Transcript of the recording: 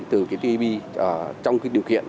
từ cái tpp trong cái điều kiện